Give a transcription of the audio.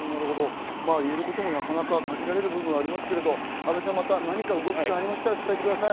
言えることも限られる部分がありますけど、阿部さん、また何か動きがありましたら伝えてください。